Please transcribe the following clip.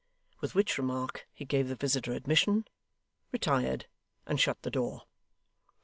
With which remark he gave the visitor admission, retired, and shut the door.